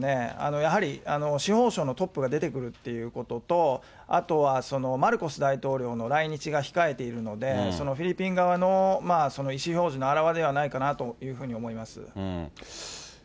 やはり司法省のトップが出てくるっていうことと、あとはマルコス大統領の来日が控えているので、そのフィリピン側の意思表示の表れではないかなというふうに思います。